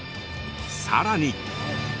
さらに。